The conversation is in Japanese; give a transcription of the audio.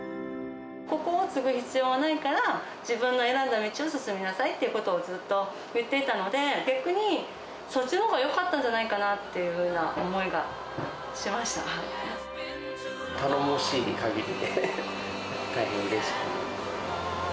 ここを継ぐ必要はないから、自分の選んだ道を進みなさいっていうことをずっと言っていたので、逆にそっちのほうがよかったんじゃないかなっていうふうな思いが頼もしいかぎりで、大変うれしく思っております。